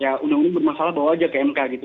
ya undang undang bermasalah bawa aja ke mk gitu